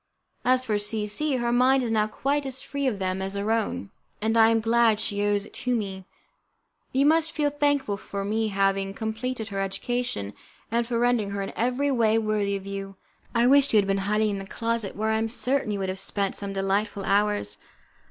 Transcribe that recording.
As for C C , her mind is now quite as free of them as our own, and I am glad she owes it to me. You must feel thankful to me for having completed her education, and for rendering her in every way worthy of you. I wish you had been hiding in the closet, where I am certain you would have spent some delightful hours.